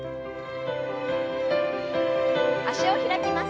脚を開きます。